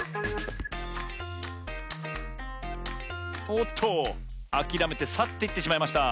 おっとあきらめてさっていってしまいました。